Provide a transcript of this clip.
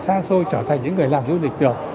xa xôi trở thành những người làm du lịch được